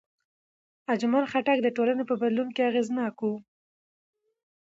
اجمل خټک د ټولنې په بدلون کې اغېزناک و.